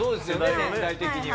年代的には。